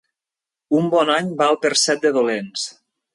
Un bon any val per set de dolents.